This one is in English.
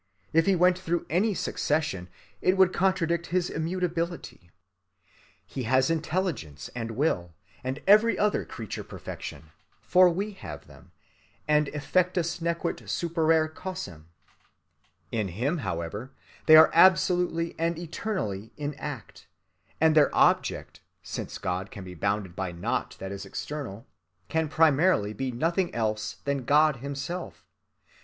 If He went through any succession, it would contradict his immutability. He has intelligence and will and every other creature‐ perfection, for we have them, and effectus nequit superare causam. In Him, however, they are absolutely and eternally in act, and their object, since God can be bounded by naught that is external, can primarily be nothing else than God himself.